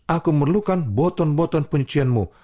aku memerlukan boton boton pencucianmu